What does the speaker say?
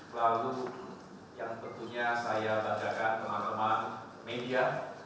lalu yang tentunya saya bacakan teman teman media